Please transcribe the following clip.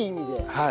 はい。